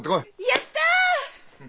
やった！